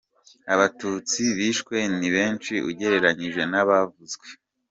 Abatutsi bishwe ni benshi ugereranije n’abavuzwe.